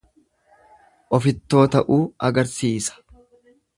Ofittoo ta'uu agarsiisa.